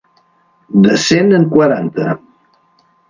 De cent en quaranta.